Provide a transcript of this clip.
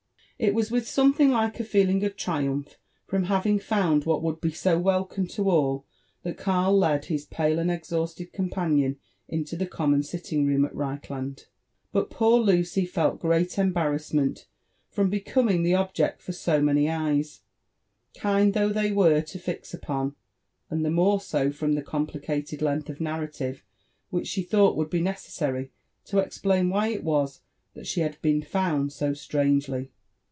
It was with something like a feeling of triumph from having found what would be so welcome to all, that Karl led his pale and exhausted eompanion into the common sitting room at ReichUnd : but poor Lucy felt great embarrassment from becoming the object for so many eyes, kind though they were, to fix upon ; and the more so, from thd complicated length of narrative which she thought would be necessary to explain why it was that she had been found so strangely.